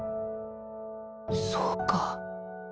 そうか